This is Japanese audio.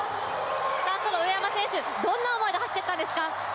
３走の上山選手、どんな思いで走っていたんですか？